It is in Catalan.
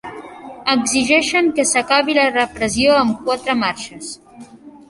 Exigeixen que s'acabi la repressió amb quatre marxes